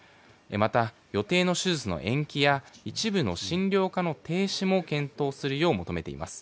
また、予定の手術の延期や一部の診療科の停止も検討するよう求めています。